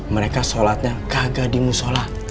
mereka sholatnya kagak dimusola